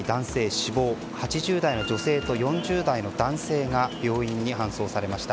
死亡８０代の女性と４０代の男性が病院に搬送されました。